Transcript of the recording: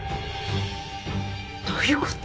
どういうこと？